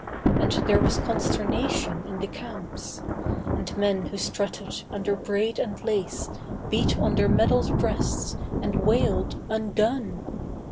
And there was consternation in the camps; And men who strutted under braid and lace Beat on their medalled breasts, and wailed, 'Undone!